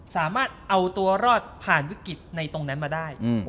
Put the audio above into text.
สามารถเอาตัวรอดผ่านวิกฤตในตรงนั้นมาได้